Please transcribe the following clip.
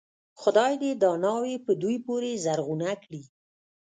خدای دې دا ناوې په دوی پورې زرغونه کړي.